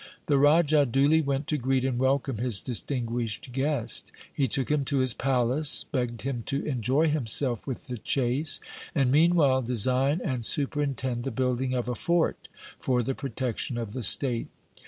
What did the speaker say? The Raja duly went to greet and welcome his distinguished guest. He took him to his palace, begged him to enjoy himself with the chase, and meanwhile design and superintend the building of a fort for the protection of the state.